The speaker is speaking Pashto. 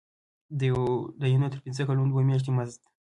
د یو نه تر پنځه کلونو دوه میاشتې مزد.